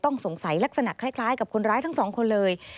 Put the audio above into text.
ต้องสงสัยลักษณะคล้ายกับคนร้ายทั้งสองคนเลย